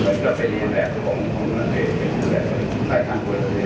มันก็ไปเรียนแบบของของนักเรียนแบบของใครทำคนเรียนของครับ